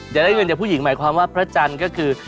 ได้เงินจากผู้หญิงหมายความว่าพระจันทร์ก็คือ